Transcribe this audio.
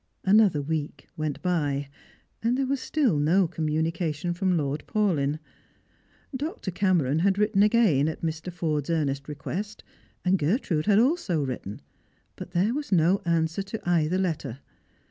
Another week went by, and there was still no communication from Lord Paulyn. Dr. Cameron had written again, at Mr. Forde's earnest request, and Gertrude had also written, but there was no answer to either letter.